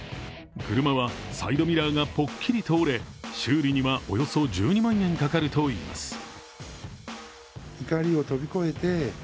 車はサイドミラーがぽっきりと折れ修理には、およそ１２万円かかるといいます。